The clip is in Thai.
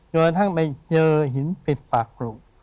โดยทั้งไปเจอหินปิดปากกลุ่ม